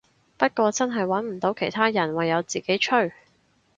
不過真係穩唔到其他人，唯有自己吹